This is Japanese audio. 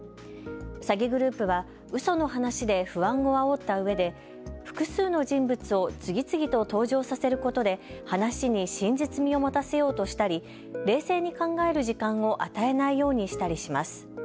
詐欺グループはうその話で不安をあおったうえで複数の人物を次々と登場させることで話に真実味を持たせようとしたり冷静に考える時間を与えないようにしたりします。